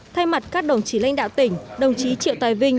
thay mặt các đồng chí lãnh đạo tỉnh đồng chí triệu tài vinh